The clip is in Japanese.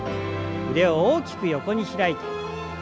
腕を大きく横に開いて。